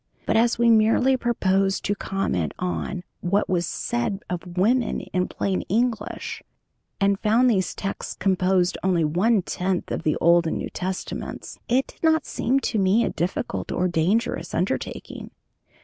But as we merely proposed to comment on what was said of women in plain English, and found these texts composed only one tenth of the Old and New Testaments, it did not seem to me a difficult or dangerous undertaking.